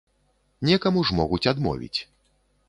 Некаму ж могуць адмовіць.